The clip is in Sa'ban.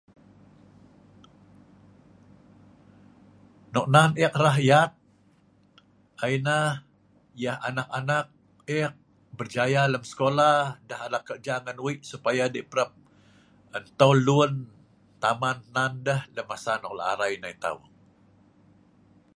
Noknan ek rahyat ianah yah anak-anak ek berjaya lem sekola deh alak keja ngan wei' supaya deh parap entol lun Taman hnan deh lem masa nok arai nai tau.